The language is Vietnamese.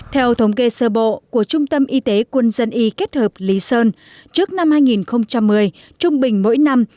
theo thống kê sơ bộ của trung tâm y tế quân dân y kết hợp lý sơn trước năm hai nghìn một mươi trung bình mỗi năm